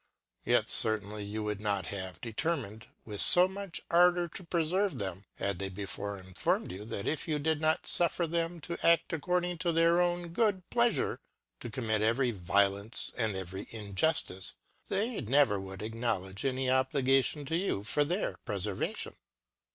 Yet, certainly, you would not have deter mined with fo much Ardour to preferve them, had they before informed you, that, if you did not fuffer them to adl accord ing to their good Pleafure ; to commit every Violence, and every Lijuftice, they never would acknowledge any Obligation to you for their Prefervation.